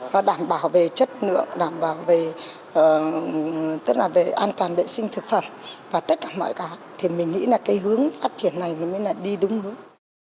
nó đảm bảo về chất lượng đảm bảo về tất cả mọi cái thì mình nghĩ là cái hướng phát triển này nó mới là đi đúng hướng